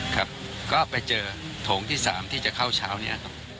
ก็ไปเจอโถงที่๓ที่จะเข้าเช้านี้